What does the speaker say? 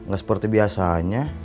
gak seperti biasanya